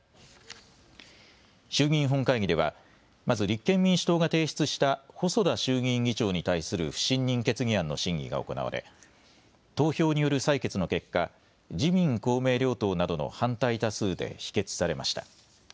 衆議院本会議ではまず立憲民主党が提出した細田衆議院議長に対する不信任決議案の審議が行われ、投票による採決の結果、自民公明両党などの反対多数で否決されました。